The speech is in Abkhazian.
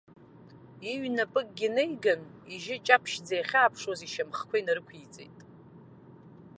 Иҩнапыкгьы неиган, ижьы ҷаԥшьӡа иахьааԥшуаз ишьамхҭақәа инарықәиҵеит.